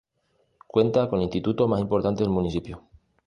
Cuenta con el instituto más importante del municipio.